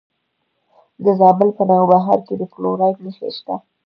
د زابل په نوبهار کې د فلورایټ نښې شته.